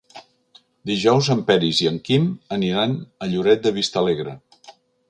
Dijous en Peris i en Quim aniran a Lloret de Vistalegre.